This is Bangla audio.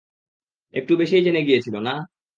একটু বেশিই জেনে গিয়েছিল, না?